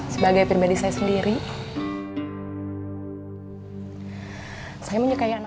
sebagai pribadi saya sendiri